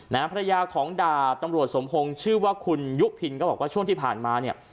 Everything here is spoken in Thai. ภรรยาของดาบตำรวจสมพงศ์ชื่อว่าคุณยุพินก็บอกว่าช่วงที่ผ่านมาเนี่ย